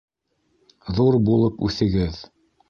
- Ҙур булып үҫегеҙ.